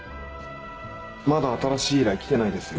まだ新しい依頼きてないですよ。